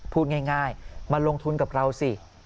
พูดง่ายมาลงทุนกับเราสิ